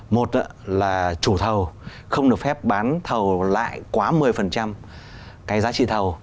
một là chủ thầu không được phép bán thầu lại quá một mươi cái giá trị thầu